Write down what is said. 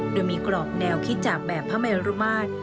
โดยมีกรอบแนวคิดจากแบบพระเมรุมาตร